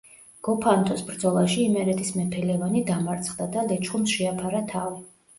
გოფანთოს ბრძოლაში იმერეთის მეფე ლევანი დამარცხდა და ლეჩხუმს შეაფარა თავი.